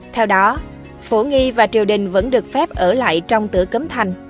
theo đó phổ nghi và triều đình vẫn được phép ở lại trong tử cấm thanh